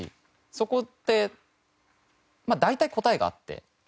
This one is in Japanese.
そこって大体答えがあって。